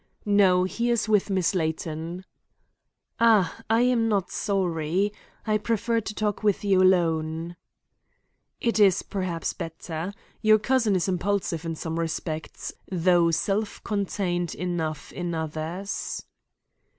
"No. He is with Miss Layton." "Ah, I am not sorry, I prefer to talk with you alone." "It is perhaps better. Your cousin is impulsive in some respects, though self contained enough in others."